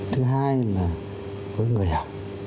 thứ hai là với người học